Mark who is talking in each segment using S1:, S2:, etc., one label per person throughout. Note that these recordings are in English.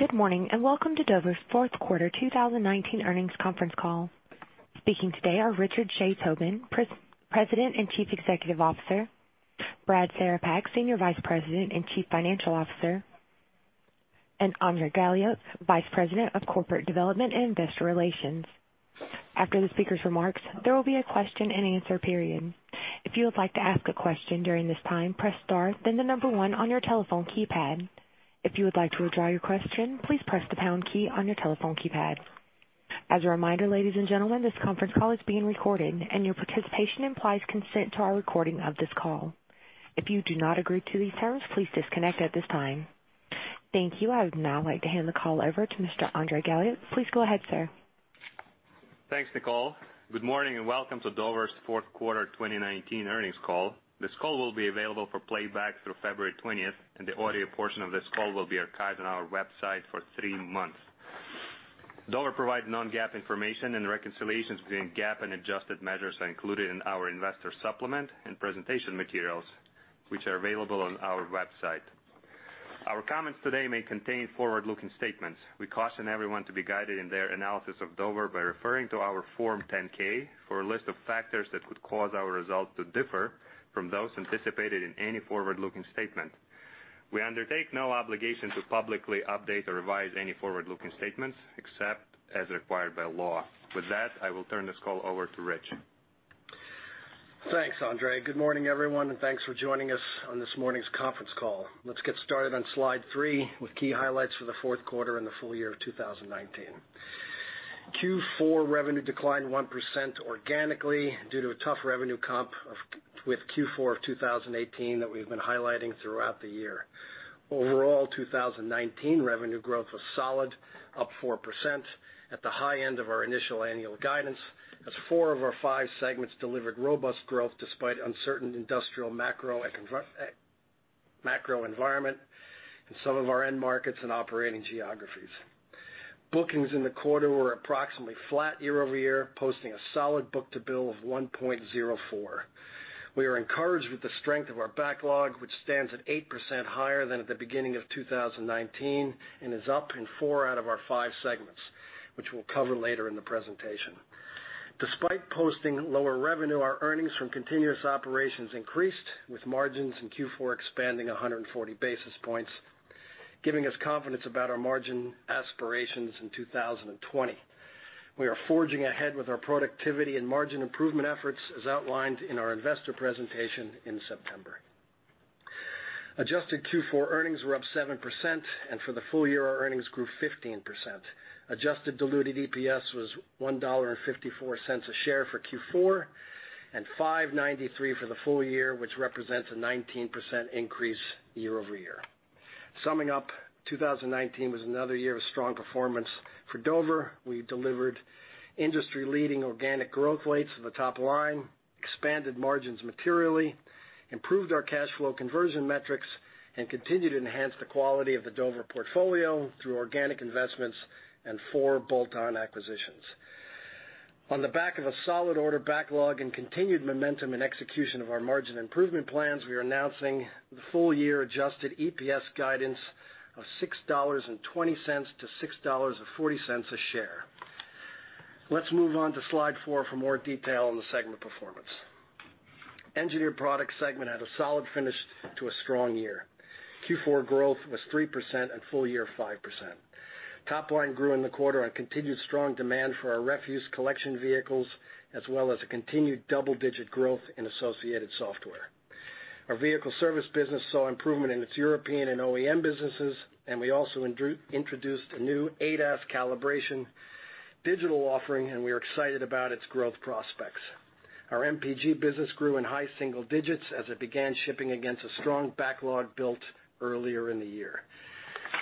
S1: Good morning, and welcome to Dover's fourth quarter 2019 earnings conference call. Speaking today are Richard J. Tobin, President and Chief Executive Officer, Brad Cerepak, Senior Vice President and Chief Financial Officer, and Andrey Galiuk, Vice President of Corporate Development and Investor Relations. After the speakers' remarks, there will be a question-and-answer period. If you would like to ask a question during this time, press star then the number one on your telephone keypad. If you would like to withdraw your question, please press the pound key on your telephone keypad. As a reminder, ladies and gentlemen, this conference call is being recorded, and your participation implies consent to our recording of this call. If you do not agree to these terms, please disconnect at this time. Thank you. I would now like to hand the call over to Mr. Andrey Galiuk. Please go ahead, sir.
S2: Thanks, Nicole. Good morning, and welcome to Dover's fourth quarter 2019 earnings call. This call will be available for playback through February 20th, and the audio portion of this call will be archived on our website for three months. Dover provides non-GAAP information and the reconciliations between GAAP and adjusted measures are included in our investor supplement and presentation materials, which are available on our website. Our comments today may contain forward-looking statements. We caution everyone to be guided in their analysis of Dover by referring to our Form 10-K for a list of factors that could cause our results to differ from those anticipated in any forward-looking statement. We undertake no obligation to publicly update or revise any forward-looking statements, except as required by law. With that, I will turn this call over to Rich.
S3: Thanks, Andrey. Good morning, everyone, and thanks for joining us on this morning's conference call. Let's get started on slide three with key highlights for the fourth quarter and the full year of 2019. Q4 revenue declined 1% organically due to a tough revenue comp with Q4 of 2018 that we've been highlighting throughout the year. Overall, 2019 revenue growth was solid, up 4% at the high end of our initial annual guidance, as four of our five segments delivered robust growth despite uncertain industrial macro environment in some of our end markets and operating geographies. Bookings in the quarter were approximately flat year-over-year, posting a solid book-to-bill of 1.04x. We are encouraged with the strength of our backlog, which stands at 8% higher than at the beginning of 2019 and is up in four out of our five segments, which we'll cover later in the presentation. Despite posting lower revenue, our earnings from continuous operations increased, with margins in Q4 expanding 140 basis points, giving us confidence about our margin aspirations in 2020. We are forging ahead with our productivity and margin improvement efforts as outlined in our investor presentation in September. Adjusted Q4 earnings were up 7%, and for the full year, our earnings grew 15%. Adjusted diluted EPS was $1.54 a share for Q4 and $5.93 for the full year, which represents a 19% increase year-over-year. Summing up 2019 was another year of strong performance for Dover. We delivered industry-leading organic growth rates at the top line, expanded margins materially, improved our cash flow conversion metrics, and continued to enhance the quality of the Dover portfolio through organic investments and four bolt-on acquisitions. On the back of a solid order backlog and continued momentum and execution of our margin improvement plans, we are announcing the full-year adjusted EPS guidance of $6.20-$6.40 a share. Let's move on to slide four for more detail on the segment performance. Engineered Products segment had a solid finish to a strong year. Q4 growth was 3% and full year 5%. Topline grew in the quarter on continued strong demand for our refuse collection vehicles, as well as a continued double-digit growth in associated software. Our vehicle service business saw improvement in its European and OEM businesses. We also introduced a new ADAS calibration digital offering. We are excited about its growth prospects. Our MPG business grew in high single digits as it began shipping against a strong backlog built earlier in the year.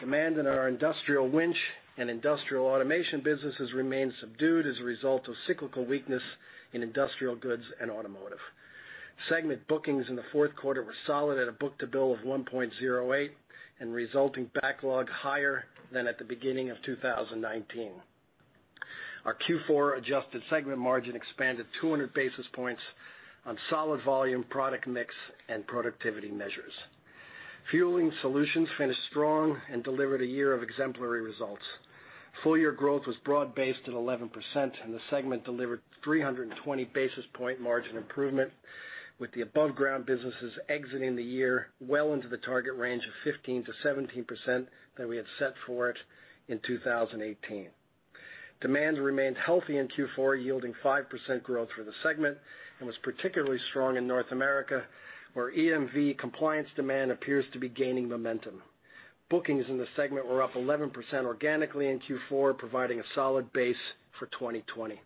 S3: Demand in our industrial winch and industrial automation businesses remained subdued as a result of cyclical weakness in industrial goods and automotive. Segment bookings in the fourth quarter were solid at a book-to-bill of 1.08x and resulting backlog higher than at the beginning of 2019. Our Q4 adjusted segment margin expanded 200 basis points on solid volume, product mix, and productivity measures. Fueling Solutions finished strong and delivered a year of exemplary results. Full-year growth was broad-based at 11%, and the segment delivered 320 basis point margin improvement with the above-ground businesses exiting the year well into the target range of 15%-17% that we had set for it in 2018. Demand remained healthy in Q4, yielding 5% growth for the segment and was particularly strong in North America, where EMV compliance demand appears to be gaining momentum. Bookings in the segment were up 11% organically in Q4, providing a solid base for 2020.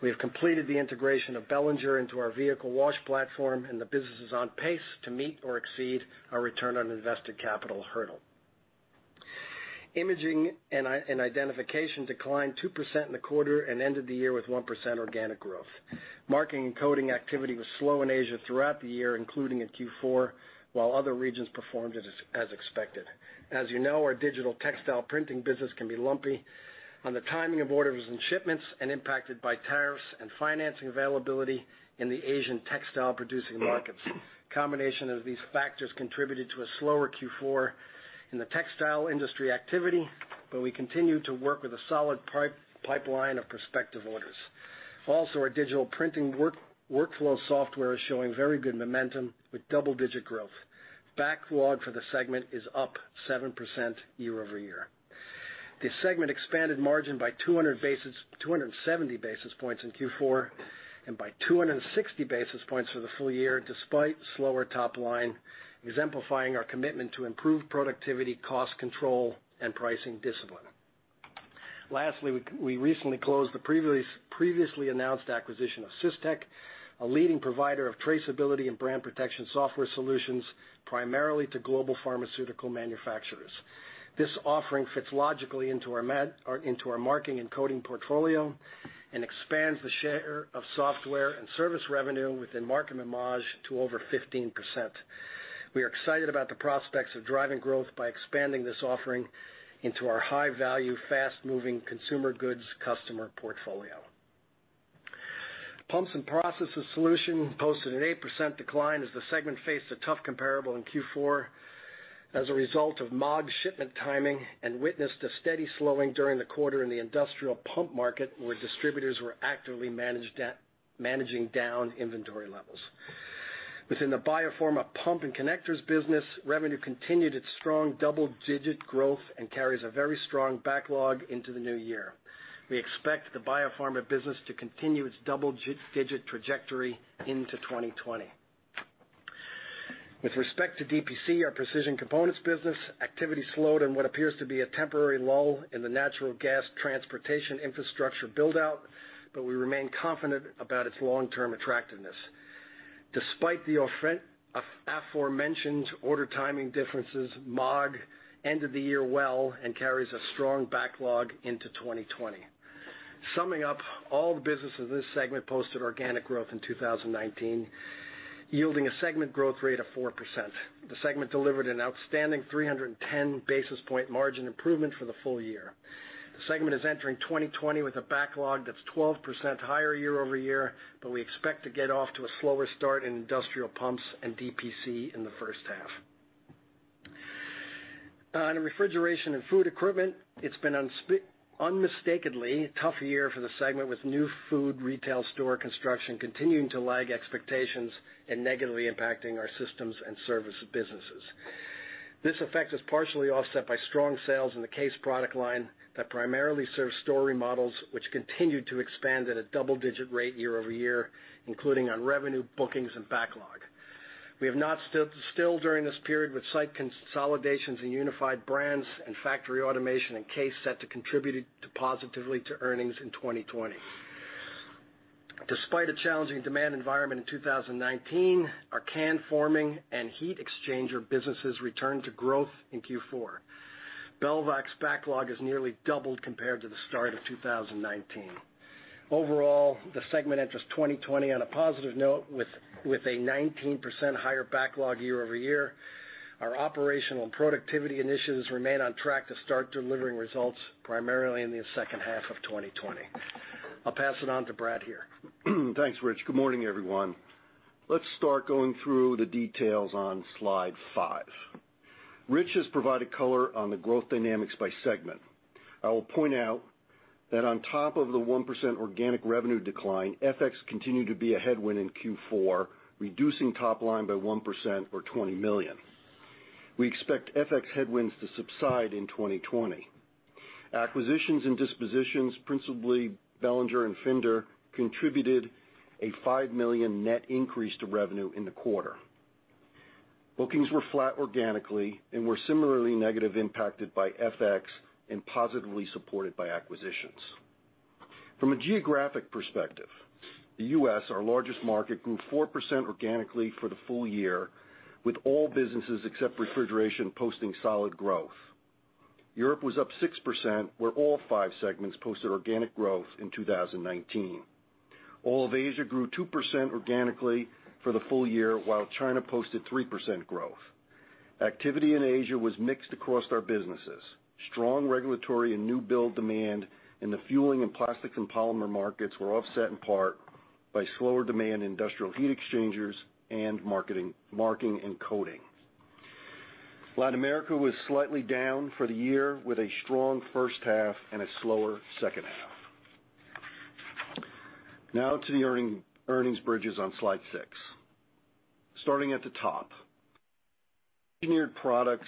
S3: We have completed the integration of Belanger into our vehicle wash platform, and the business is on pace to meet or exceed our return on invested capital hurdle. Imaging and Identification declined 2% in the quarter and ended the year with 1% organic growth. Marking and Imaging activity was slow in Asia throughout the year, including in Q4, while other regions performed as expected. As you know, our digital textile printing business can be lumpy on the timing of orders and shipments, and impacted by tariffs and financing availability in the Asian textile producing markets. Combination of these factors contributed to a slower Q4 in the textile industry activity, but we continue to work with a solid pipeline of prospective orders. Also, our digital printing workflow software is showing very good momentum with double-digit growth. Backlog for the segment is up 7% year-over-year. This segment expanded margin by 270 basis points in Q4, and by 260 basis points for the full year, despite slower top line, exemplifying our commitment to improved productivity, cost control, and pricing discipline. We recently closed the previously announced acquisition of Systech, a leading provider of traceability and brand protection software solutions, primarily to global pharmaceutical manufacturers. This offering fits logically into our marking and coding portfolio and expands the share of software and service revenue within Imaging and Identification to over 15%. We are excited about the prospects of driving growth by expanding this offering into our high-value, fast-moving consumer goods customer portfolio. Pumps and Process Solutions posted an 8% decline as the segment faced a tough comparable in Q4 as a result of MAAG shipment timing, and witnessed a steady slowing during the quarter in the industrial pump market, where distributors were actively managing down inventory levels. Within the biopharma pump and connectors business, revenue continued its strong double-digit growth and carries a very strong backlog into the new year. We expect the biopharma business to continue its double-digit trajectory into 2020. With respect to DPC, our precision components business, activity slowed in what appears to be a temporary lull in the natural gas transportation infrastructure build-out, but we remain confident about its long-term attractiveness. Despite the aforementioned order timing differences, MAAG ended the year well and carries a strong backlog into 2020. Summing up, all the businesses in this segment posted organic growth in 2019, yielding a segment growth rate of 4%. The segment delivered an outstanding 310 basis point margin improvement for the full year. The segment is entering 2020 with a backlog that's 12% higher year-over-year, but we expect to get off to a slower start in industrial pumps and DPC in the first half. On Refrigeration & Food Equipment, it's been unmistakably a tough year for the segment, with new food retail store construction continuing to lag expectations and negatively impacting our systems and service businesses. This effect is partially offset by strong sales in the case product line that primarily serves store remodels, which continue to expand at a double-digit rate year-over-year, including on revenue, bookings, and backlog. We have not stilled during this period with site consolidations and Unified Brands and factory automation and case door to contribute positively to earnings in 2020. Despite a challenging demand environment in 2019, our can forming and heat exchanger businesses returned to growth in Q4. Belvac's backlog has nearly doubled compared to the start of 2019. Overall, the segment enters 2020 on a positive note with a 19% higher backlog year-over-year. Our operational and productivity initiatives remain on track to start delivering results, primarily in the second half of 2020. I'll pass it on to Brad here.
S4: Thanks, Rich. Good morning, everyone. Let's start going through the details on slide five. Rich has provided color on the growth dynamics by segment. I will point out that on top of the 1% organic revenue decline, FX continued to be a headwind in Q4, reducing top line by 1% or $20 million. We expect FX headwinds to subside in 2020. Acquisitions and dispositions, principally Belanger and Finder, contributed a $5 million net increase to revenue in the quarter. Bookings were flat organically and were similarly negative impacted by FX and positively supported by acquisitions. From a geographic perspective, the U.S., our largest market, grew 4% organically for the full year, with all businesses except refrigeration posting solid growth. Europe was up 6%, where all five segments posted organic growth in 2019. All of Asia grew 2% organically for the full year, while China posted 3% growth. Activity in Asia was mixed across our businesses. Strong regulatory and new build demand in the fueling and plastics and polymer markets were offset in part by slower demand in industrial heat exchangers and marking and coding. Latin America was slightly down for the year with a strong first half and a slower second half. Now to the earnings bridges on slide six. Starting at the top. Engineered Products'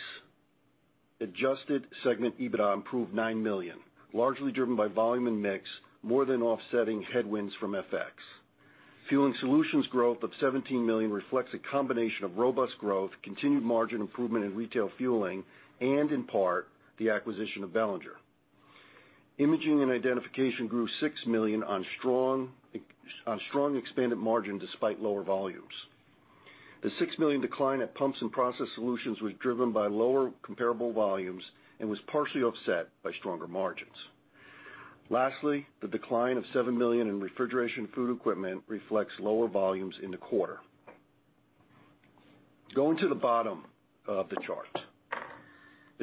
S4: adjusted segment EBITDA improved $9 million, largely driven by volume and mix, more than offsetting headwinds from FX. Fueling Solutions growth of $17 million reflects a combination of robust growth, continued margin improvement in retail fueling, and in part, the acquisition of Belanger. Imaging and Identification grew $6 million on strong expanded margin despite lower volumes. The $6 million decline at Pumps and Process Solutions was driven by lower comparable volumes and was partially offset by stronger margins. Lastly, the decline of $7 million in Refrigeration & Food Equipment reflects lower volumes in the quarter. Going to the bottom of the chart.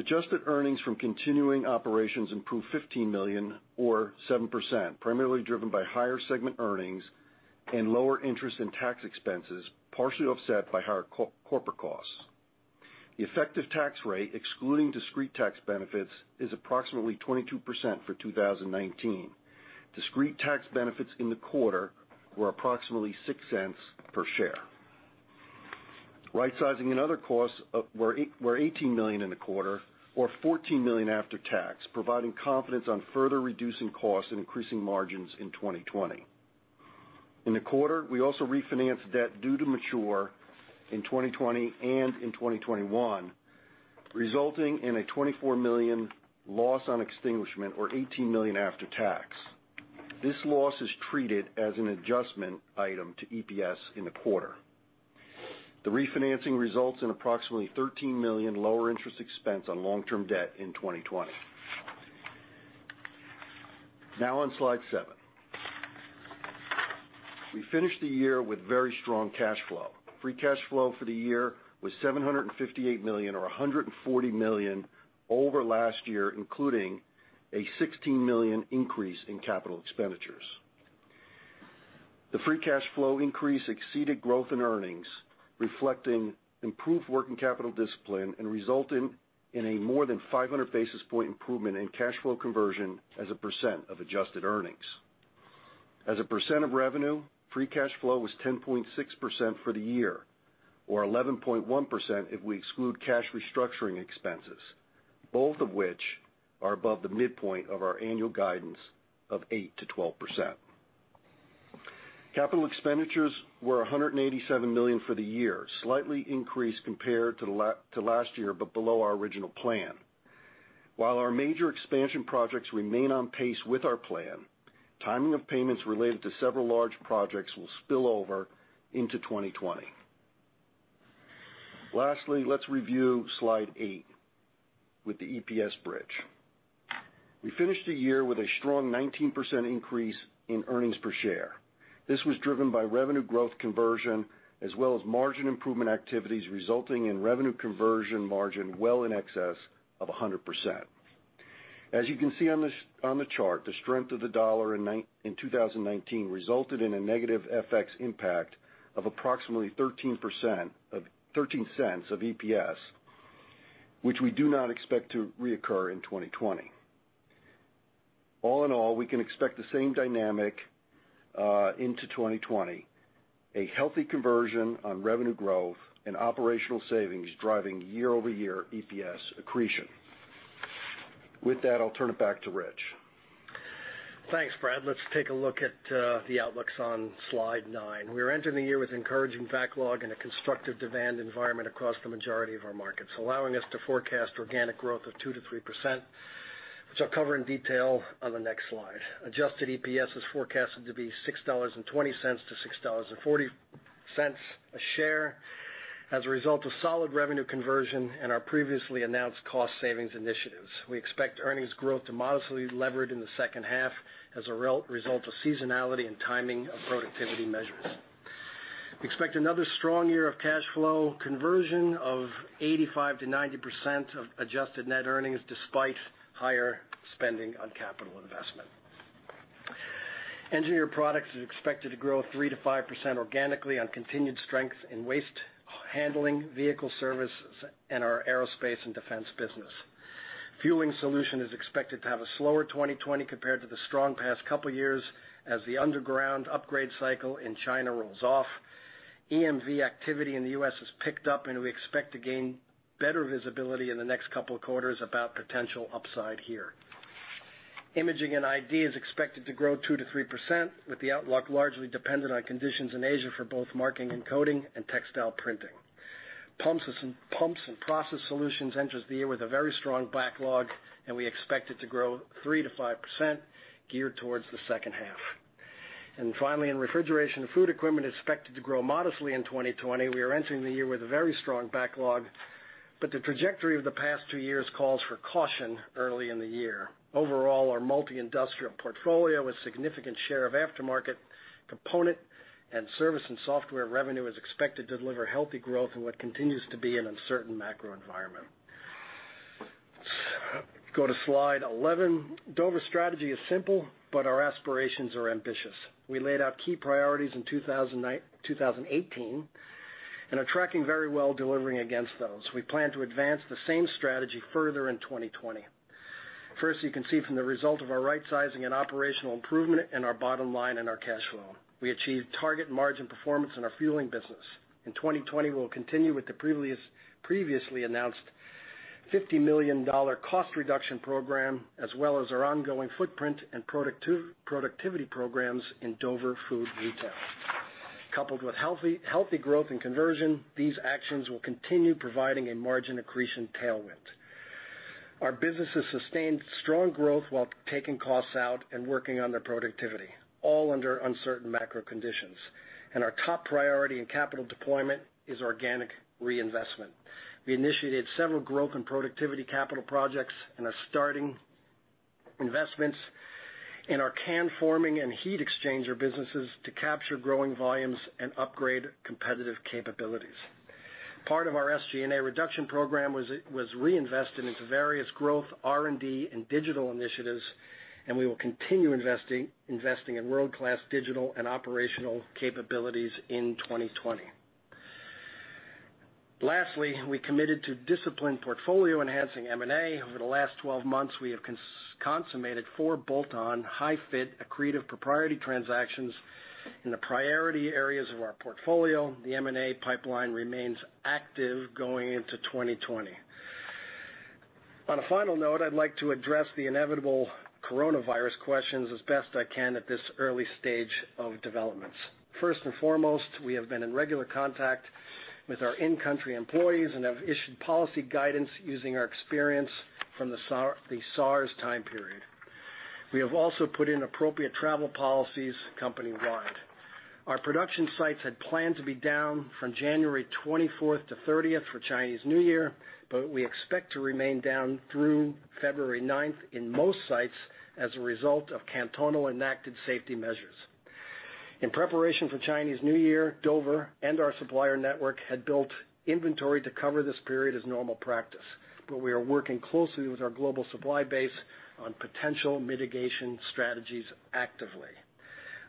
S4: Adjusted earnings from continuing operations improved $15 million or 7%, primarily driven by higher segment earnings and lower interest in tax expenses, partially offset by higher corporate costs. The effective tax rate, excluding discrete tax benefits, is approximately 22% for 2019. Discrete tax benefits in the quarter were approximately $0.06 per share. Rightsizing and other costs were $18 million in the quarter, or $14 million after tax, providing confidence on further reducing costs and increasing margins in 2020. In the quarter, we also refinanced debt due to mature in 2020 and in 2021, resulting in a $24 million loss on extinguishment or $18 million after tax. This loss is treated as an adjustment item to EPS in the quarter. The refinancing results in approximately $13 million lower interest expense on long-term debt in 2020. On slide seven. We finished the year with very strong cash flow. Free cash flow for the year was $758 million or $140 million over last year, including a $16 million increase in capital expenditures. The free cash flow increase exceeded growth and earnings, reflecting improved working capital discipline and resulting in a more than 500 basis point improvement in cash flow conversion as a percent of adjusted earnings. As a percent of revenue, free cash flow was 10.6% for the year, or 11.1% if we exclude cash restructuring expenses, both of which are above the midpoint of our annual guidance of 8%-12%. Capital expenditures were $187 million for the year, slightly increased compared to last year, but below our original plan. While our major expansion projects remain on pace with our plan, timing of payments related to several large projects will spill over into 2020. Lastly, let's review slide eight with the EPS bridge. We finished the year with a strong 19% increase in earnings per share. This was driven by revenue growth conversion, as well as margin improvement activities resulting in revenue conversion margin well in excess of 100%. As you can see on the chart, the strength of the dollar in 2019 resulted in a negative FX impact of approximately $0.13 of EPS, which we do not expect to reoccur in 2020. All in all, we can expect the same dynamic into 2020. A healthy conversion on revenue growth and operational savings driving year-over-year EPS accretion. With that, I'll turn it back to Rich.
S3: Thanks, Brad. Let's take a look at the outlooks on slide nine. We are entering the year with encouraging backlog and a constructive demand environment across the majority of our markets, allowing us to forecast organic growth of 2%-3%, which I'll cover in detail on the next slide. Adjusted EPS is forecasted to be $6.20-$6.40 a share as a result of solid revenue conversion and our previously announced cost savings initiatives. We expect earnings growth to modestly lever it in the second half as a result of seasonality and timing of productivity measures. We expect another strong year of cash flow conversion of 85%-90% of adjusted net earnings, despite higher spending on capital investment. Engineered Products is expected to grow 3%-5% organically on continued strength in waste handling, vehicle services, and our aerospace and defense business. Fueling Solutions is expected to have a slower 2020 compared to the strong past couple years as the underground upgrade cycle in China rolls off. We expect to gain better visibility in the next couple of quarters about potential upside here. Imaging and ID is expected to grow 2%-3%, with the outlook largely dependent on conditions in Asia for both marking and coding and textile printing. Pumps and Process Solutions enters the year with a very strong backlog. We expect it to grow 3%-5% geared towards the second half. Finally, in Refrigeration & Food Equipment, expected to grow modestly in 2020. We are entering the year with a very strong backlog, but the trajectory of the past two years calls for caution early in the year. Overall, our multi-industrial portfolio, with significant share of aftermarket component and service and software revenue, is expected to deliver healthy growth in what continues to be an uncertain macro environment. Go to slide 11. Dover's strategy is simple, but our aspirations are ambitious. We laid out key priorities in 2018 and are tracking very well delivering against those. We plan to advance the same strategy further in 2020. First, you can see from the result of our rightsizing and operational improvement and our bottom line and our cash flow. We achieved target margin performance in our fueling business. In 2020, we'll continue with the previously announced $50 million cost reduction program, as well as our ongoing footprint and productivity programs in Dover Food Retail. Coupled with healthy growth and conversion, these actions will continue providing a margin accretion tailwind. Our business has sustained strong growth while taking costs out and working on their productivity, all under uncertain macro conditions. Our top priority in capital deployment is organic reinvestment. We initiated several growth and productivity capital projects and are starting investments in our can forming and heat exchanger businesses to capture growing volumes and upgrade competitive capabilities. Part of our SG&A reduction program was reinvested into various growth, R&D, and digital initiatives, and we will continue investing in world-class digital and operational capabilities in 2020. Lastly, we committed to disciplined portfolio-enhancing M&A. Over the last 12 months, we have consummated four bolt-on, high-fit, accretive proprietary transactions in the priority areas of our portfolio. The M&A pipeline remains active going into 2020. On a final note, I'd like to address the inevitable coronavirus questions as best I can at this early stage of developments. First and foremost, we have been in regular contact with our in-country employees and have issued policy guidance using our experience from the SARS time period. We have also put in appropriate travel policies company-wide. Our production sites had planned to be down from January 24th to 30th for Chinese New Year, but we expect to remain down through February 9th in most sites as a result of cantonal enacted safety measures. In preparation for Chinese New Year, Dover and our supplier network had built inventory to cover this period as normal practice, but we are working closely with our global supply base on potential mitigation strategies actively.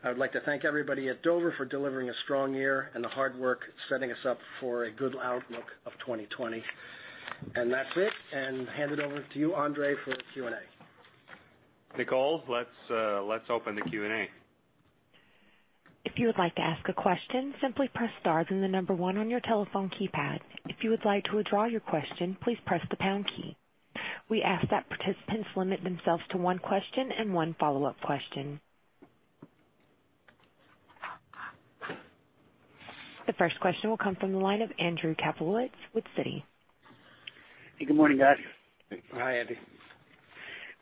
S3: I would like to thank everybody at Dover for delivering a strong year and the hard work setting us up for a good outlook of 2020. That's it, and hand it over to you, Andrey, for the Q&A.
S2: Nicole, let's open the Q&A.
S1: If you would like to ask a question, simply press star then the number one on your telephone keypad. If you would like to withdraw your question, please press the pound key. We ask that participants limit themselves to one question and one follow-up question. The first question will come from the line of Andrew Kaplowitz with Citi.
S5: Hey, good morning, guys.
S3: Hi, Andy.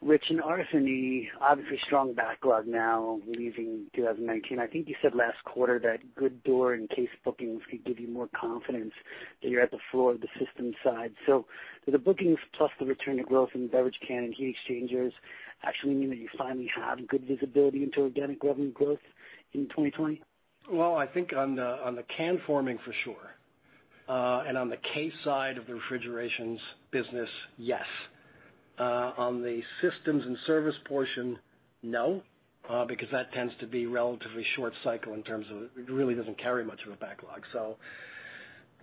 S5: Rich in RF&E, obviously strong backlog now leaving 2019. I think you said last quarter that good door and case bookings could give you more confidence that you're at the floor of the systems side. Do the bookings plus the return to growth in the beverage can and heat exchangers actually mean that you finally have good visibility into organic revenue growth in 2020?
S3: Well, I think on the can forming, for sure. On the case side of the refrigeration business, yes. On the systems and service portion, no, because that tends to be relatively short cycle in terms of it really doesn't carry much of a backlog.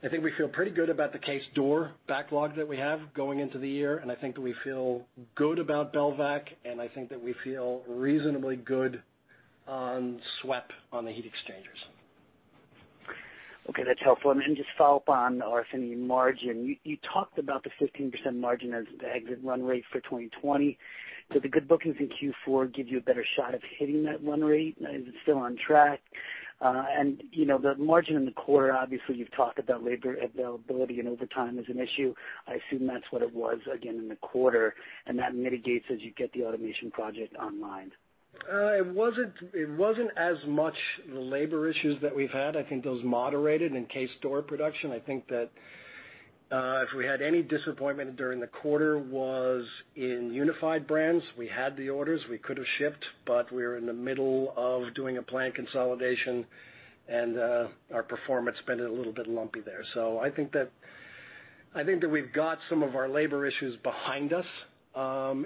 S3: I think we feel pretty good about the case door backlog that we have going into the year, and I think that we feel good about Belvac, and I think that we feel reasonably good on SWEP on the heat exchangers.
S5: Okay, that's helpful. Then just follow up on, RF&E margin. You talked about the 15% margin as the exit run rate for 2020. Do the good bookings in Q4 give you a better shot of hitting that run rate? Is it still on track? The margin in the quarter, obviously, you've talked about labor availability and overtime as an issue. I assume that's what it was again in the quarter, and that mitigates as you get the automation project online.
S3: It wasn't as much the labor issues that we've had. I think those moderated in case door production. I think that if we had any disappointment during the quarter was in Unified Brands. We had the orders, we could have shipped, but we were in the middle of doing a plant consolidation, and our performance has been a little bit lumpy there. I think that we've got some of our labor issues behind us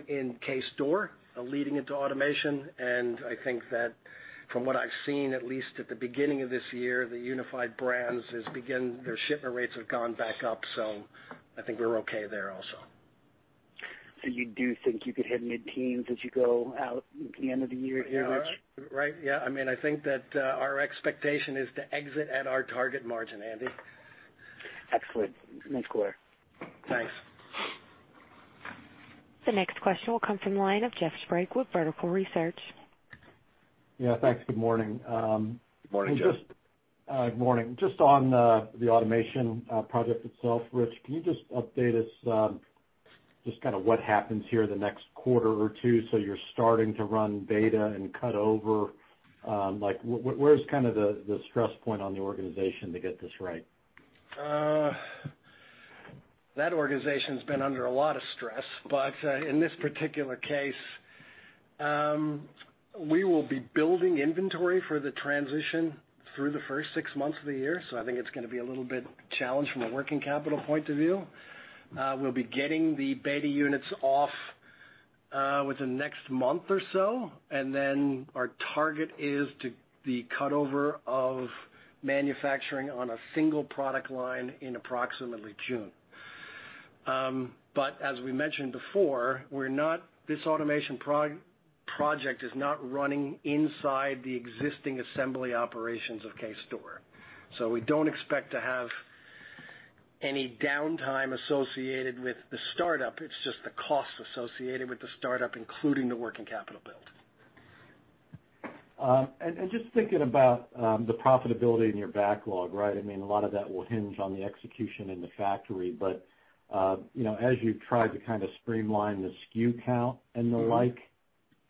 S3: in case door leading into automation, and I think that from what I've seen, at least at the beginning of this year, the Unified Brands, their shipment rates have gone back up, so I think we're okay there also.
S5: You do think you could hit mid-teens as you go out the end of the year here, Rich?
S3: Right. Yeah. I think that our expectation is to exit at our target margin, Andy.
S5: Excellent. Nice quarter.
S3: Thanks.
S1: The next question will come from the line of Jeff Sprague with Vertical Research.
S6: Thanks. Good morning.
S3: Good morning, Jeff.
S6: Good morning. Just on the automation project itself, Rich, can you just update us just kind of what happens here the next quarter or two, so you're starting to run beta and cut over? Where's kind of the stress point on the organization to get this right?
S3: That organization's been under a lot of stress, but in this particular case, we will be building inventory for the transition through the first six months of the year, so I think it's going to be a little bit challenged from a working capital point of view. We'll be getting the beta units off within the next month or so, and then our target is to be cut over of manufacturing on a single product line in approximately June. As we mentioned before, this automation project is not running inside the existing assembly operations of case door. We don't expect to have any downtime associated with the startup. It's just the cost associated with the startup, including the working capital build.
S6: Just thinking about the profitability in your backlog, right? A lot of that will hinge on the execution in the factory. As you've tried to kind of streamline the SKU count and the like.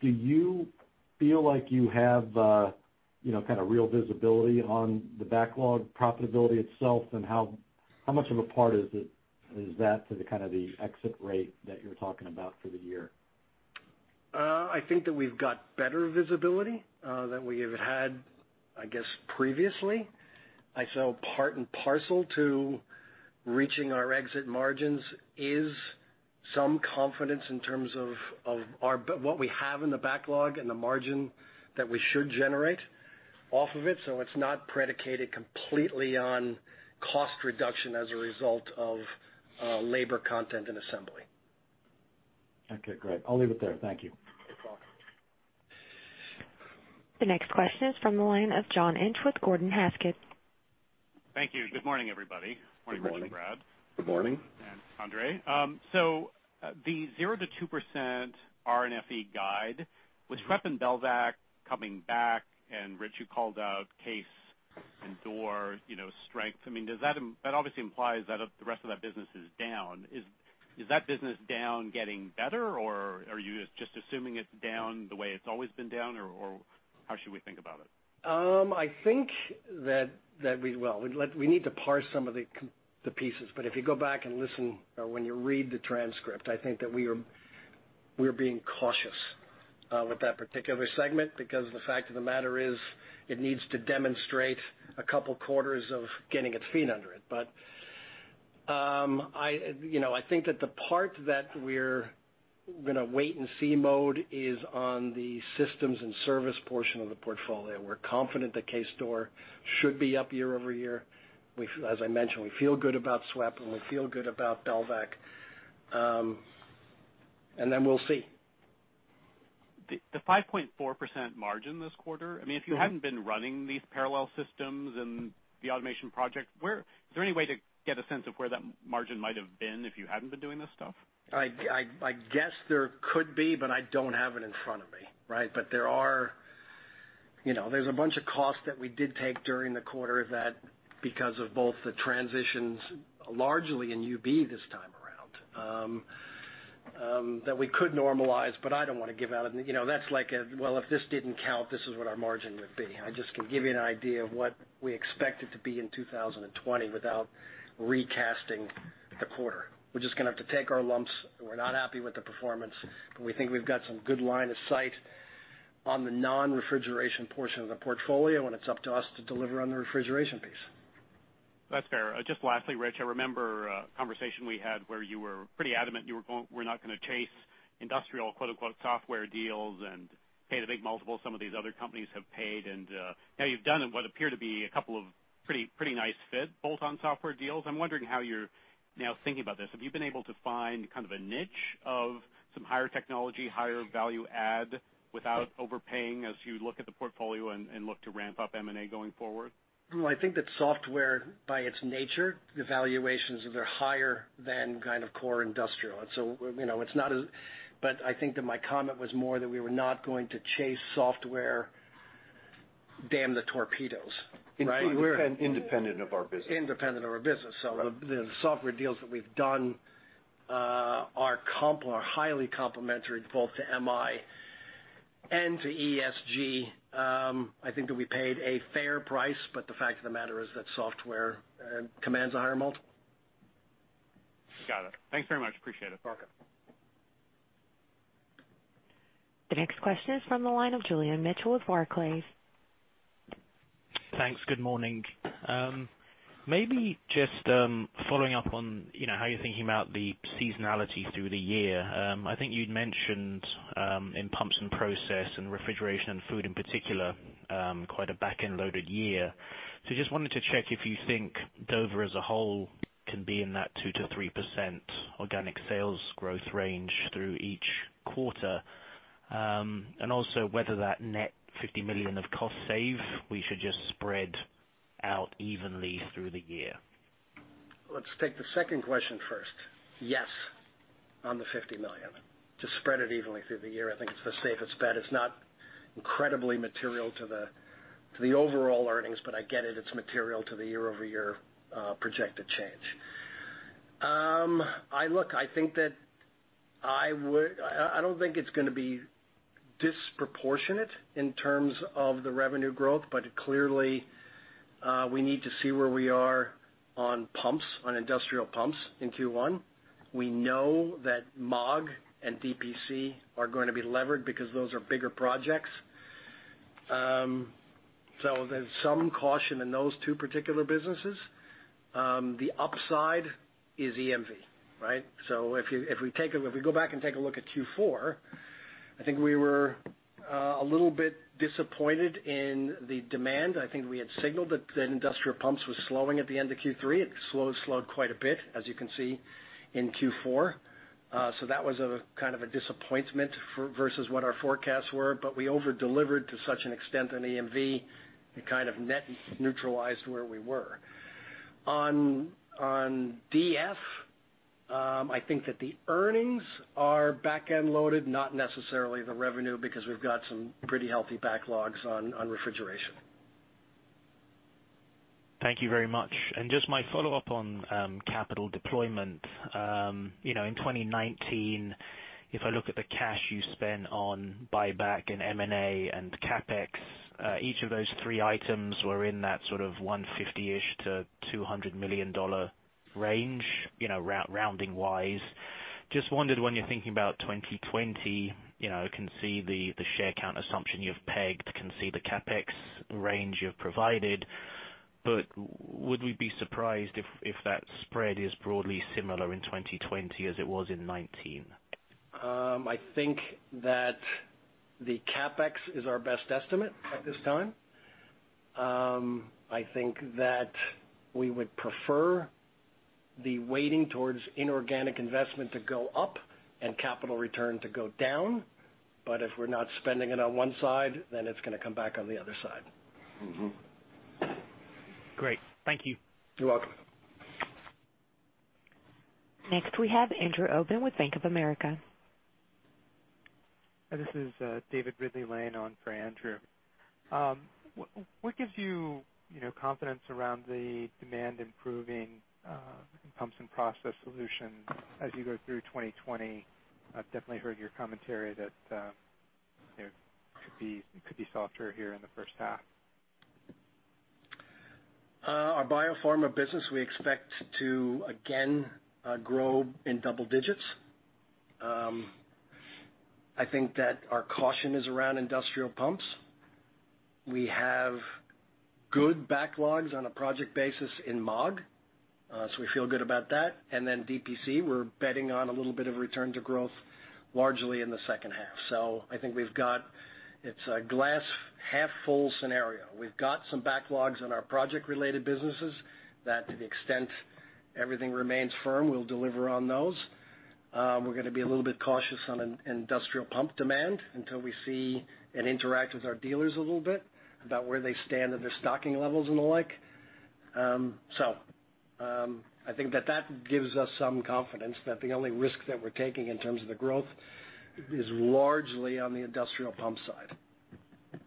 S6: Do you feel like you have kind of real visibility on the backlog profitability itself and how much of a part is that to the kind of exit rate that you're talking about for the year?
S3: I think that we've got better visibility than we have had, I guess, previously. I'd say part and parcel to reaching our exit margins is some confidence in terms of what we have in the backlog and the margin that we should generate off of it. It's not predicated completely on cost reduction as a result of labor content and assembly.
S6: Okay, great. I'll leave it there. Thank you.
S3: You're welcome.
S1: The next question is from the line of John Inch with Gordon Haskett.
S7: Thank you. Good morning, everybody.
S3: Good morning.
S7: Morning, Rich and Brad.
S4: Good morning.
S7: -and Andrey. The 0%-2% R&FE guide with SWEP and Belvac coming back, Rich, you called out case door strength. That obviously implies that the rest of that business is down. Is that business down getting better, or are you just assuming it's down the way it's always been down, or how should we think about it?
S3: I think that we need to parse some of the pieces. If you go back and listen or when you read the transcript, I think that we're being cautious with that particular segment because the fact of the matter is it needs to demonstrate a couple of quarters of getting its feet under it. I think that the part that we're going to wait and see mode is on the systems and service portion of the portfolio. We're confident that case door should be up year-over-year. As I mentioned, we feel good about SWEP, and we feel good about Belvac. Then we'll see.
S7: The 5.4% margin this quarter, if you hadn't been running these parallel systems and the automation project, is there any way to get a sense of where that margin might have been if you hadn't been doing this stuff?
S3: I guess there could be, but I don't have it in front of me, right? There's a bunch of costs that we did take during the quarter of that because of both the transitions, largely in UB this time around, that we could normalize, but I don't want to give out. That's like a, "Well, if this didn't count, this is what our margin would be." I just can give you an idea of what we expect it to be in 2020 without recasting the quarter. We're just going to have to take our lumps. We're not happy with the performance, but we think we've got some good line of sight on the non-refrigeration portion of the portfolio, and it's up to us to deliver on the refrigeration piece.
S7: That's fair. Just lastly, Rich, I remember a conversation we had where you were pretty adamant you were not going to chase industrial "software deals" and pay the big multiples some of these other companies have paid. Now you've done what appeared to be a couple of pretty nice fit bolt-on software deals. I'm wondering how you're now thinking about this. Have you been able to find kind of a niche of some higher technology, higher value add without overpaying as you look at the portfolio and look to ramp up M&A going forward?
S3: Well, I think that software, by its nature, the valuations are higher than kind of core industrial. I think that my comment was more that we were not going to chase software, damn the torpedoes. Right?
S4: Independent of our business.
S3: Independent of our business. The software deals that we've done are highly complementary both to MI and to ESG. I think that we paid a fair price, but the fact of the matter is that software commands a higher multiple.
S7: Got it. Thanks very much. Appreciate it.
S3: You're welcome.
S1: The next question is from the line of Julian Mitchell with Barclays.
S8: Thanks. Good morning. Maybe just following up on how you're thinking about the seasonality through the year. I think you'd mentioned in Pumps and Process and Refrigeration & Food in particular, quite a back-end loaded year. Just wanted to check if you think Dover as a whole can be in that 2%-3% organic sales growth range through each quarter. Also, whether that net $50 million of cost save, we should just spread out evenly through the year.
S3: Let's take the second question first. Yes, on the $50 million. To spread it evenly through the year, I think it's the safest bet. It's not incredibly material to the overall earnings, but I get it's material to the year-over-year projected change. I don't think it's going to be disproportionate in terms of the revenue growth, but clearly, we need to see where we are on pumps, on industrial pumps in Q1. We know that MAAG and DPC are going to be levered because those are bigger projects. There's some caution in those two particular businesses. The upside is EMV, right? If we go back and take a look at Q4, I think we were a little bit disappointed in the demand. I think we had signaled that industrial pumps was slowing at the end of Q3. It slowed quite a bit, as you can see in Q4. That was kind of a disappointment versus what our forecasts were, but we over-delivered to such an extent on EMV, it kind of net neutralized where we were. On DF, I think that the earnings are back-end loaded, not necessarily the revenue, because we've got some pretty healthy backlogs on refrigeration.
S8: Thank you very much. Just my follow-up on capital deployment. In 2019. If I look at the cash you spend on buyback and M&A and CapEx, each of those three items were in that sort of $150 million-$200 million range, rounding wise. I just wondered when you're thinking about 2020, I can see the share count assumption you've pegged, can see the CapEx range you've provided, but would we be surprised if that spread is broadly similar in 2020 as it was in 2019?
S3: I think that the CapEx is our best estimate at this time. I think that we would prefer the weighting towards inorganic investment to go up and capital return to go down, but if we're not spending it on one side, then it's going to come back on the other side.
S8: Mm-hmm. Great. Thank you.
S3: You're welcome.
S1: Next we have Andrew Obin with Bank of America.
S9: This is David Ridley-Lane on for Andrew. What gives you confidence around the demand improving in Pumps and Process Solutions as you go through 2020? I've definitely heard your commentary that it could be softer here in the first half.
S3: Our biopharma business, we expect to again grow in double digits. I think that our caution is around industrial pumps. We have good backlogs on a project basis in MAAG, so we feel good about that. DPC, we're betting on a little bit of return to growth largely in the second half. I think it's a glass half full scenario. We've got some backlogs in our project-related businesses that to the extent everything remains firm, we'll deliver on those. We're going to be a little bit cautious on industrial pump demand until we see and interact with our dealers a little bit about where they stand at their stocking levels and the like. I think that that gives us some confidence that the only risk that we're taking in terms of the growth is largely on the industrial pump side.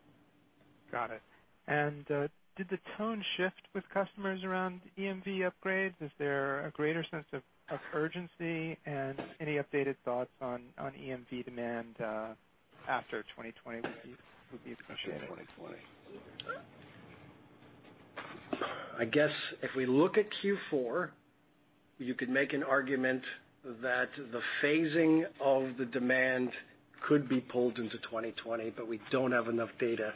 S9: Got it. Did the tone shift with customers around EMV upgrades? Is there a greater sense of urgency? Any updated thoughts on EMV demand after 2020 would be appreciated.
S3: I guess if we look at Q4, you could make an argument that the phasing of the demand could be pulled into 2020. We don't have enough data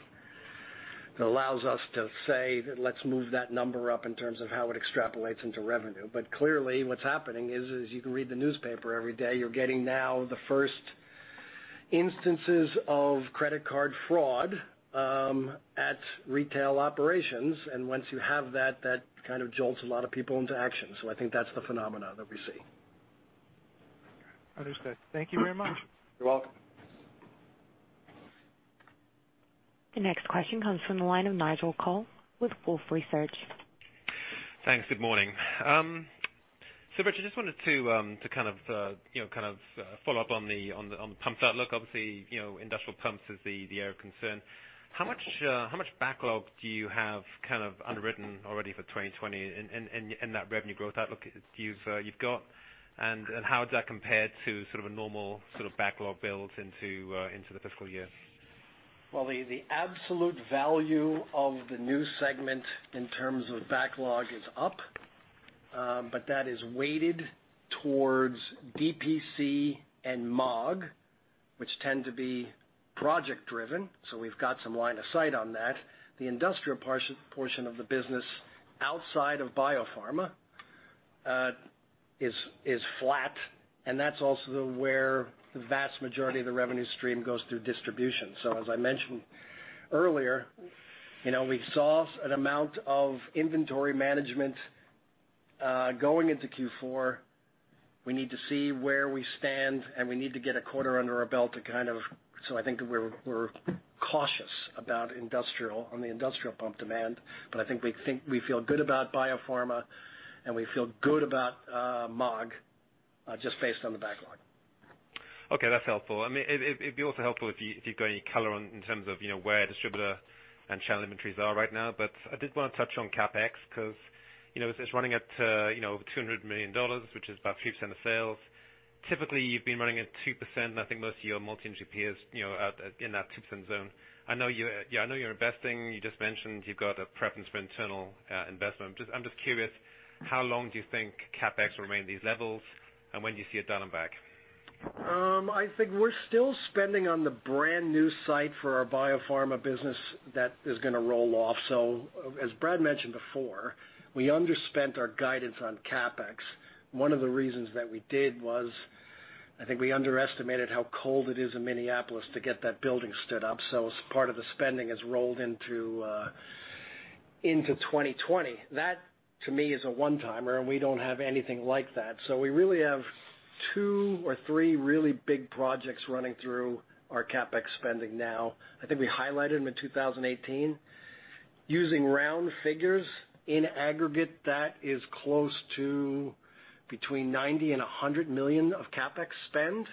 S3: that allows us to say that let's move that number up in terms of how it extrapolates into revenue. Clearly what's happening is, you can read the newspaper every day, you're getting now the first instances of credit card fraud at retail operations, and once you have that kind of jolts a lot of people into action. I think that's the phenomena that we see.
S9: Understood. Thank you very much.
S3: You're welcome.
S1: The next question comes from the line of Nigel Coe with Wolfe Research.
S10: Thanks. Good morning. Rich, I just wanted to follow up on the Pumps outlook. Obviously, Industrial Pumps is the area of concern. How much backlog do you have unwritten already for 2020 in that revenue growth outlook you've got, and how does that compare to sort of a normal sort of backlog build into the fiscal year?
S3: The absolute value of the new segment in terms of backlog is up. That is weighted towards DPC and MAAG, which tend to be project driven, so we've got some line of sight on that. The industrial portion of the business outside of biopharma is flat, and that's also where the vast majority of the revenue stream goes through distribution. As I mentioned earlier, we saw an amount of inventory management going into Q4. We need to see where we stand, and we need to get a quarter under our belt. I think we're cautious about on the industrial pump demand. I think we feel good about biopharma, and we feel good about MAAG, just based on the backlog.
S10: Okay, that's helpful. It'd be also helpful if you've got any color in terms of where distributor and channel inventories are right now. I did want to touch on CapEx because it's running at over $200 million, which is about 3% of sales. Typically, you've been running at 2% and I think most of your multi-industry peers are in that 2% zone. I know you're investing, you just mentioned you've got a preference for internal investment. I'm just curious, how long do you think CapEx will remain at these levels, and when do you see it down and back?
S3: I think we're still spending on the brand new site for our biopharma business that is going to roll off. As Brad mentioned before, we underspent our guidance on CapEx. One of the reasons that we did was I think we underestimated how cold it is in Minneapolis to get that building stood up, so as part of the spending is rolled into 2020. That to me is a one-timer, and we don't have anything like that. We really have two or three really big projects running through our CapEx spending now. I think we highlighted them in 2018. Using round figures, in aggregate, that is close to between $90 million and $100 million of CapEx spend.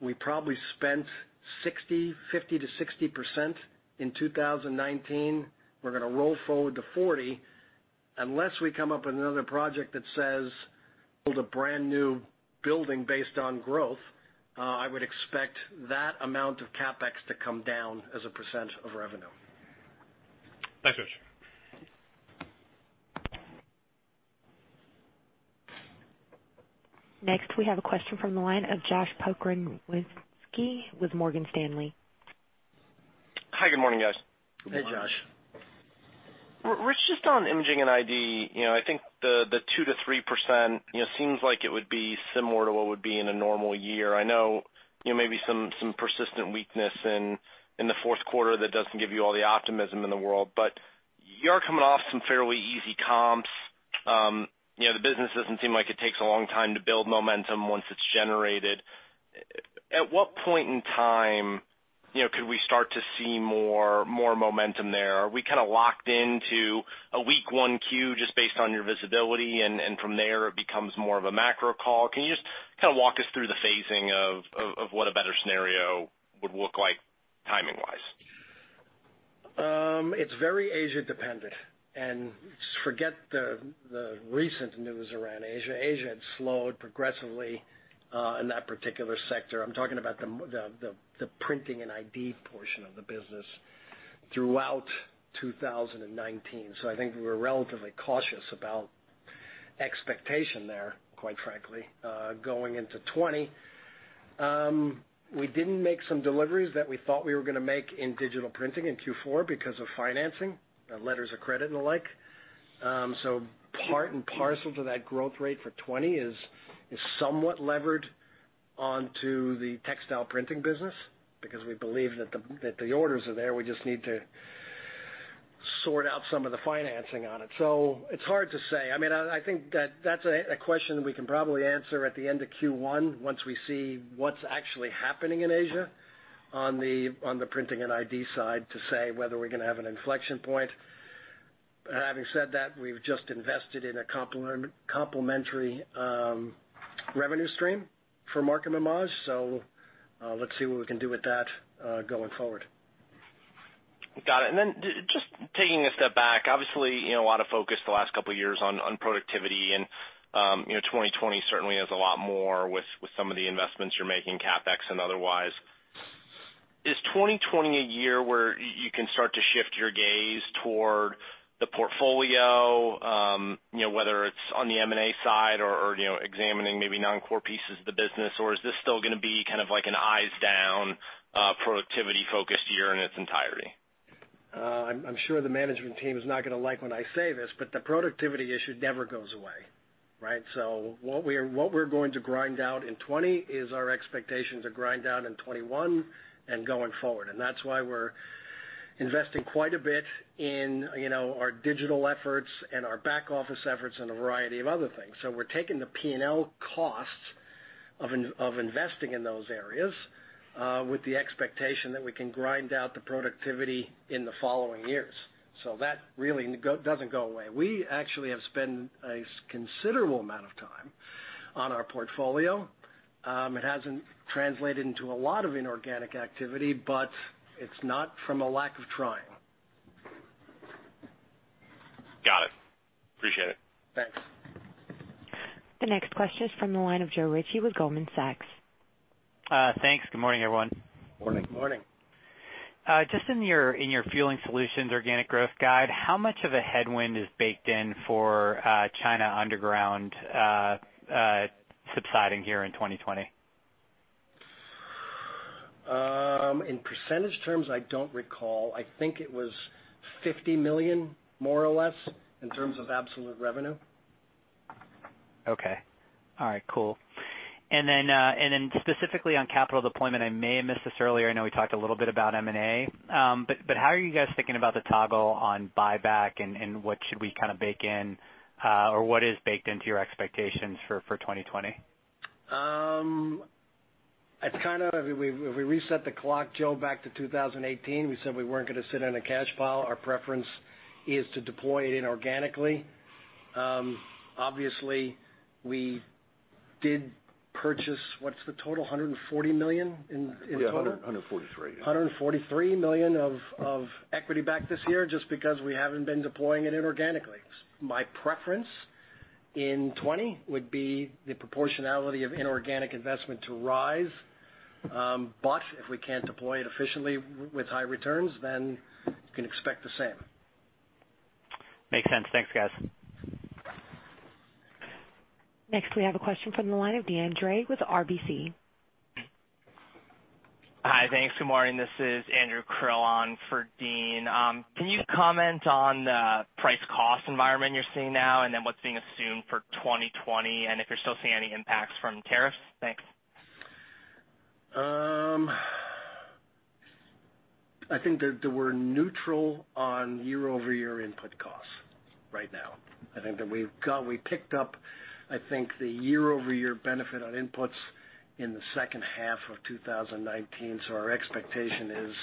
S3: We probably spent 50%-60% in 2019. We're going to roll forward to 40%, unless we come up with another project that says, build a brand new building based on growth, I would expect that amount of CapEx to come down as a percent of revenue.
S10: Thanks, Rich.
S1: Next, we have a question from the line of Josh Pokrzywinski with Morgan Stanley.
S11: Hi, good morning, guys.
S3: Good morning.
S4: Hey, Josh.
S11: Rich, just on Imaging and ID, I think the 2%-3% seems like it would be similar to what would be in a normal year. I know maybe some persistent weakness in the fourth quarter that doesn't give you all the optimism in the world, but you are coming off some fairly easy comps. The business doesn't seem like it takes a long time to build momentum once it's generated. At what point in time could we start to see more momentum there? Are we locked into a weak 1Q just based on your visibility, and from there it becomes more of a macro call? Can you just walk us through the phasing of what a better scenario would look like timing-wise?
S3: It's very Asia-dependent. Forget the recent news around Asia. Asia had slowed progressively in that particular sector. I'm talking about the printing and ID portion of the business throughout 2019. I think we're relatively cautious about expectation there, quite frankly, going into 2020. We didn't make some deliveries that we thought we were going to make in digital printing in Q4 because of financing, letters of credit and the like. Part and parcel to that growth rate for 2020 is somewhat levered onto the textile printing business because we believe that the orders are there. We just need to sort out some of the financing on it. It's hard to say. I think that's a question that we can probably answer at the end of Q1, once we see what's actually happening in Asia on the printing and ID side to say whether we're going to have an inflection point. Having said that, we've just invested in a complementary revenue stream for Markem-Imaje. Let's see what we can do with that going forward.
S11: Got it. Just taking a step back, obviously, a lot of focus the last couple of years on productivity, 2020 certainly has a lot more with some of the investments you're making, CapEx and otherwise. Is 2020 a year where you can start to shift your gaze toward the portfolio, whether it's on the M&A side or examining maybe non-core pieces of the business? Is this still going to be kind of like an eyes-down productivity-focused year in its entirety?
S3: I'm sure the management team is not going to like when I say this, but the productivity issue never goes away. Right? What we're going to grind out in 2020 is our expectation to grind out in 2021 and going forward. That's why we're investing quite a bit in our digital efforts and our back-office efforts in a variety of other things. We're taking the P&L costs of investing in those areas with the expectation that we can grind out the productivity in the following years. That really doesn't go away. We actually have spent a considerable amount of time on our portfolio. It hasn't translated into a lot of inorganic activity, but it's not from a lack of trying.
S11: Got it. Appreciate it.
S3: Thanks.
S1: The next question is from the line of Joe Ritchie with Goldman Sachs.
S12: Thanks. Good morning, everyone.
S3: Morning.
S12: Just in your Fueling Solutions organic growth guide, how much of a headwind is baked in for China underground subsiding here in 2020?
S3: In percentage terms, I don't recall. I think it was $50 million, more or less, in terms of absolute revenue.
S12: Okay. All right, cool. Specifically on capital deployment, I may have missed this earlier. I know we talked a little bit about M&A, but how are you guys thinking about the toggle on buyback, and what should we bake in, or what is baked into your expectations for 2020?
S3: If we reset the clock, Joe, back to 2018, we said we weren't going to sit on a cash pile. Our preference is to deploy it inorganically. Obviously, we did purchase, what's the total? $140 million in total?
S4: $143 million.
S3: $143 million of equity back this year just because we haven't been deploying it inorganically. My preference in 2020 would be the proportionality of inorganic investment to rise. If we can't deploy it efficiently with high returns, then you can expect the same.
S12: Makes sense. Thanks, guys.
S1: Next, we have a question from the line of Deane Dray with RBC.
S13: Hi, thanks. Good morning. This is Andrew Krill for Deane. Can you comment on the price cost environment you're seeing now, and then what's being assumed for 2020, and if you're still seeing any impacts from tariffs? Thanks.
S3: I think that we're neutral on year-over-year input costs right now. I think that we picked up, I think, the year-over-year benefit on inputs in the second half of 2019. Our expectation is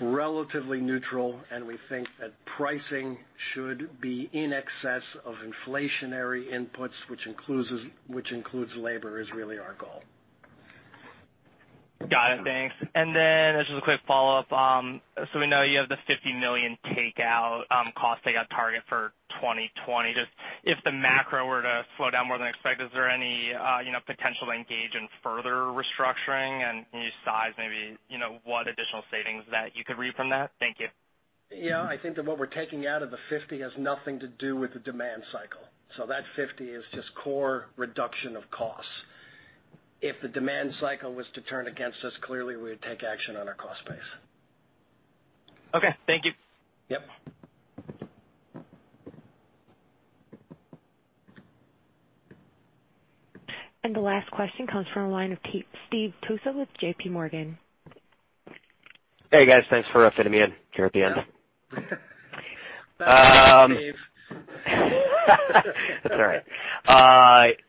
S3: relatively neutral, and we think that pricing should be in excess of inflationary inputs, which includes labor, is really our goal.
S13: Got it. Thanks. This is a quick follow-up. We know you have the $50 million takeout cost takeout target for 2020. Just if the macro were to slow down more than expected, is there any potential to engage in further restructuring? Can you size maybe what additional savings that you could reap from that? Thank you.
S3: Yeah. I think that what we're taking out of the $50 has nothing to do with the demand cycle. That $50 is just core reduction of costs. If the demand cycle was to turn against us, clearly we would take action on our cost base.
S13: Okay. Thank you.
S3: Yep.
S1: The last question comes from the line of Steve Tusa with JPMorgan.
S14: Hey, guys. Thanks for fitting me in here at the end.
S3: Yeah. Thanks for coming, Steve.
S14: That's all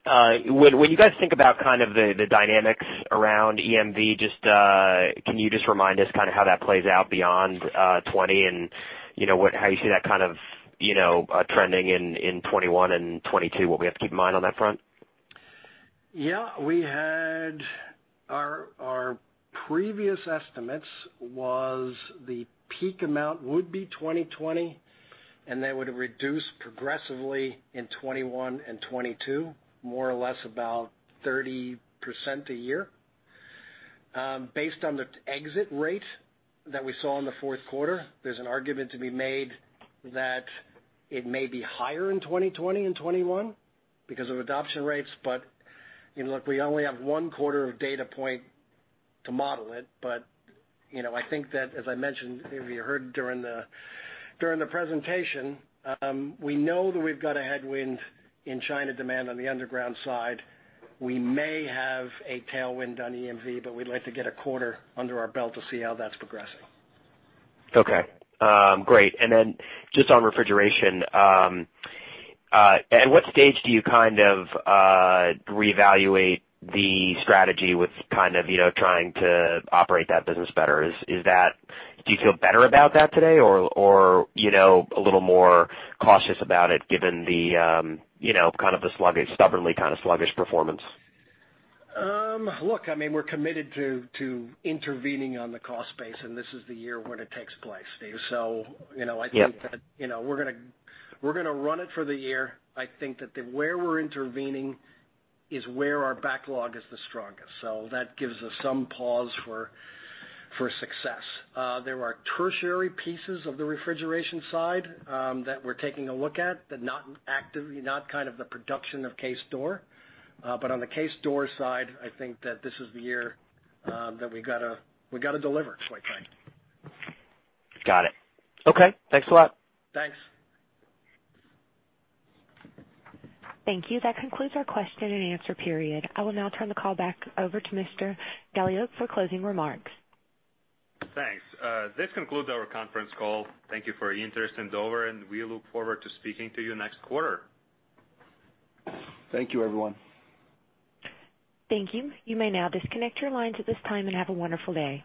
S14: right. When you guys think about kind of the dynamics around EMV, can you just remind us kind of how that plays out beyond 2020? How you see that kind of trending in 2021 and 2022? What we have to keep in mind on that front?
S3: Yeah. Our previous estimates was the peak amount would be 2020, and they would reduce progressively in 2021 and 2022, more or less about 30% a year. Based on the exit rate that we saw in the fourth quarter, there's an argument to be made that it may be higher in 2020 and 2021 because of adoption rates. Look, we only have one quarter of data point to model it, but I think that as I mentioned, maybe you heard during the presentation, we know that we've got a headwind in China demand on the underground side. We may have a tailwind on EMV, but we'd like to get a quarter under our belt to see how that's progressing.
S14: Okay. Great. Then just on refrigeration, at what stage do you kind of reevaluate the strategy with kind of trying to operate that business better? Do you feel better about that today or a little more cautious about it given the kind of stubbornly kind of sluggish performance?
S3: Look, we're committed to intervening on the cost base, and this is the year when it takes place, Steve.
S14: Yeah.
S3: I think that we're going to run it for the year. I think that where we're intervening is where our backlog is the strongest, so that gives us some pause for success. There are tertiary pieces of the refrigeration side that we're taking a look at, not kind of the production of case door. On the case door side, I think that this is the year that we got to deliver, I think.
S14: Got it. Okay. Thanks a lot.
S3: Thanks.
S1: Thank you. That concludes our question and answer period. I will now turn the call back over to Mr. Galiuk for closing remarks.
S2: Thanks. This concludes our conference call. Thank you for your interest in Dover, and we look forward to speaking to you next quarter.
S3: Thank you, everyone.
S1: Thank you. You may now disconnect your lines at this time, and have a wonderful day.